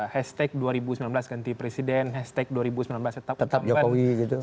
hashtag dua ribu sembilan belas ganti presiden hashtag dua ribu sembilan belas tetap kembali